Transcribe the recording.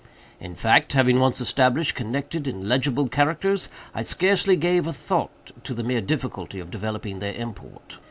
In fact, having once established connected and legible characters, I scarcely gave a thought to the mere difficulty of developing their import.